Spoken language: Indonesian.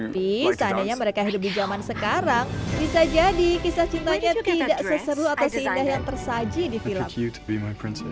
tapi seandainya mereka hidup di zaman sekarang bisa jadi kisah cintanya tidak seseru atau seindah yang tersaji di film